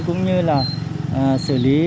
cũng như là xử lý